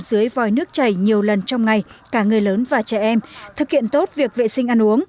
dưới vòi nước chảy nhiều lần trong ngày cả người lớn và trẻ em thực hiện tốt việc vệ sinh ăn uống